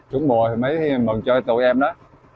chúng mùa mới mừng cho tụi em đó